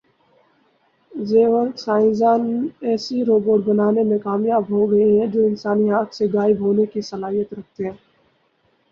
زیورخ سائنس دان ایسے روبوٹ بنانے میں کامیاب ہوگئے ہیں جو انسانی آنکھ سے غائب ہونے کی صلاحیت رکھتے ہیں